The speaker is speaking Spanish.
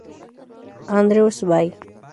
Andrews Bay.